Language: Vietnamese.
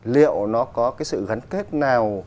liệu nó có cái sự gắn kết nào